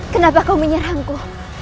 kenapa kau menyerangku